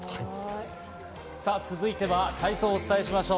続いては体操をお伝えしましょう。